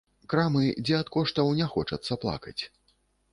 Крамы, дзе ад коштаў не хочацца плакаць.